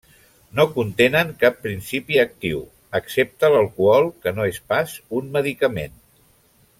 No contenen cap principi actiu, excepte l'alcohol, que no és pas un medicament.